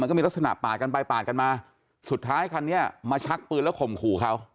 ก็มีลักษณะปาดกันไปปาดกันมาสุดท้ายคันนี้มาชักปืนแล้วข่มขู่เขา